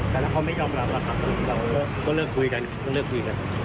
ถ้าเขาไม่ยอมรับแล้วค่ะต้องเลิกคุยกัน